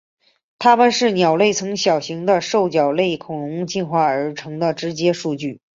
它们是鸟类从小型的兽脚类恐龙进化而来的直接证据。